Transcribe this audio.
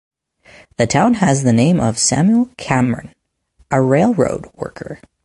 The town has the name of Samuel Cameron, a railroad worker.